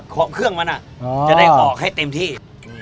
ของเครื่องมันอ่ะอ๋อจะได้ออกให้เต็มที่อืม